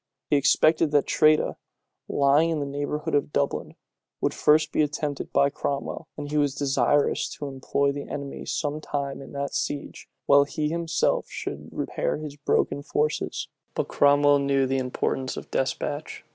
He expected that Tredah, lying in the neighborhood of Dublin, would first be attempted by Cromwell, and he was desirous to employ the enemy some time in that siege, while he himself should repair his broken forces. But Cromwell knew the importance of despatch.